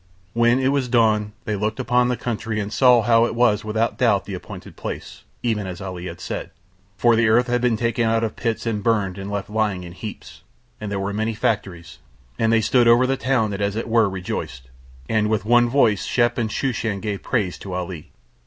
When it was dawn they looked upon the country and saw how it was without doubt the appointed place, even as Ali had said, for the earth had been taken out of pits and burned and left lying in heaps, and there were many factories, and they stood over the town and as it were rejoiced. And with one voice Shep and Shooshan gave praise to Ali.